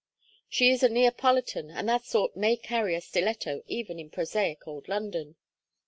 She is a Neapolitan, and that sort may carry a stiletto even in prosaic old London.